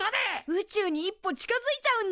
宇宙に一歩近づいちゃうんだ！